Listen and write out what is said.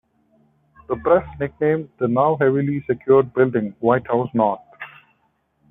The press nicknamed the now-heavily secured building White House North.